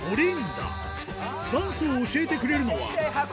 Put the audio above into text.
ダンスを教えてくれるのは。